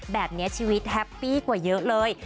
แบบนี้ชีวิตแฮปปี้กว่าเยอะเลย